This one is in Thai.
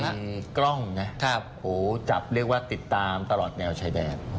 แล้วก็มีกล้องเนี่ยจับเรียกว่าติดตามตลอดแนวชายแดง